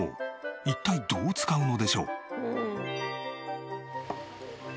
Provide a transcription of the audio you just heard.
一体どう使うのでしょう？